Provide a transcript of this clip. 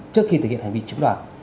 trước khi thực hiện hành vi trộm tội